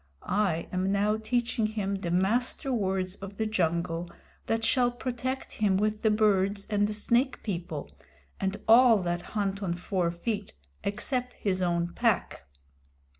"I am now teaching him the Master Words of the Jungle that shall protect him with the birds and the Snake People, and all that hunt on four feet, except his own pack.